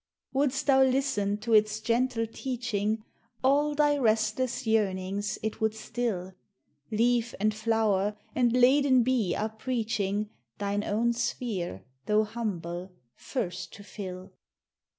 Wouldst thou listen to its gentle teaching, All thy restless yearnings it would still; Leaf and flower and laden bee are preaching Thine own sphere, though humble, first to fill.